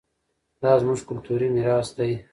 دا زموږ کلتوري ميراث دی.